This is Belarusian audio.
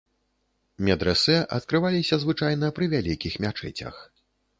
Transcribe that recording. Медрэсэ адкрываліся звычайна пры вялікіх мячэцях.